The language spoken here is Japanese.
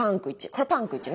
これパンク１ね。